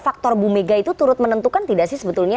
faktor bumega itu turut menentukan tidak sih sebetulnya